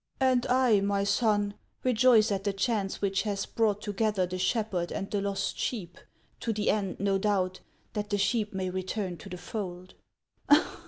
" And I, my son, rejoice at the chance which has brought together the shepherd and the lost sheep, to the end, no doubt, that the sheep may return to the fold."